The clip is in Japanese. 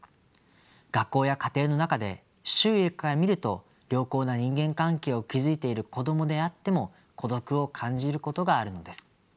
学校や家庭の中で周囲から見ると良好な人間関係を築いている子どもであっても孤独を感じることがあるのです。